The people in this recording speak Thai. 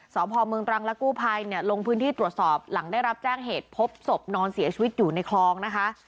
สพเมืองตรังและกู้ภัยเนี่ยลงพื้นที่ตรวจสอบหลังได้รับแจ้งเหตุพบศพนอนเสียชีวิตอยู่ในคลองนะคะ